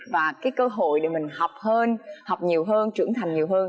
và cái cơ hội để mình học hơn học nhiều hơn trưởng thành nhiều hơn